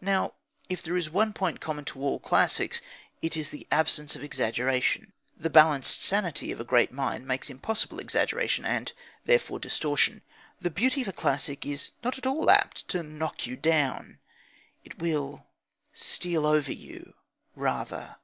Now, if there is one point common to all classics, it is the absence of exaggeration. The balanced sanity of a great mind makes impossible exaggeration, and, therefore, distortion. The beauty of a classic is not at all apt to knock you down. It will steal over you, rather.